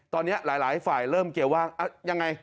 ตอนนี้หลายหลายฝ่ายเริ่มเกียร์ว่างอ้าวยังไง